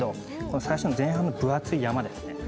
最初の前半の分厚い山ですね。